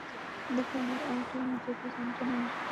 দ্যাখো, ওনার আংটির মতো জিনিসটাও নিয়ে এসেছি।